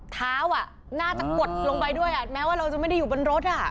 เท้าน่าจะกดลงไปด้วยแม้ว่าเราจะไม่ได้อยู่บนรถอ่ะ